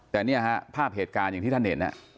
แต่เนี่ยฮะภาพเหตุการณ์อย่างที่ท่านเห็น